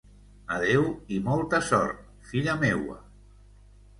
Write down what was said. Adéu i molta sort, filla meua.